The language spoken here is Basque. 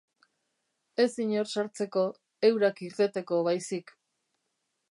Ez inor sartzeko, eurak irteteko baizik.